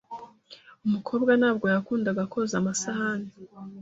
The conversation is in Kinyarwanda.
Umukobwa ntabwo yakundaga koza amasahani.